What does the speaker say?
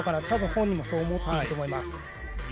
多分、本人もそう思っていると思います。